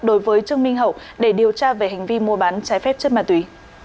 đối với trương minh hậu để điều tra về hành vi mua bán trái phép chất ma túy